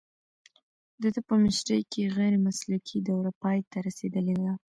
د ده په مشرۍ کې غیر مسلکي دوره پای ته رسیدلې ده